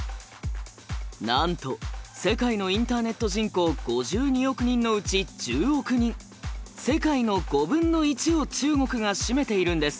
なんと世界のインターネット人口５２億人のうち１０億人世界の５分の１を中国が占めているんです。